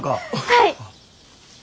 はい！